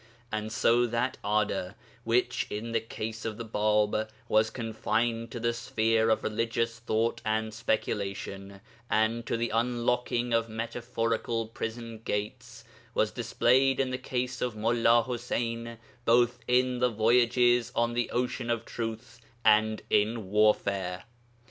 And so that ardour, which in the case of the Bāb was confined to the sphere of religious thought and speculation and to the unlocking of metaphorical prison gates, was displayed in the case of Mullā Ḥuseyn both in voyages on the ocean of Truth, and in warfare.